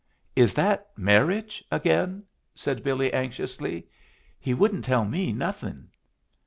"Is that marriage again?" said Billy, anxiously. "He wouldn't tell me nothing."